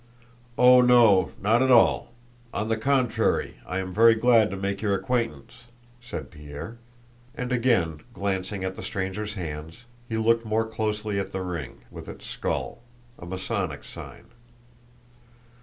"Oh no, not at all! On the contrary, I am very glad to make your acquaintance," said Pierre. And again, glancing at the stranger's hands, he looked more closely at the ring, with its skull—a Masonic sign.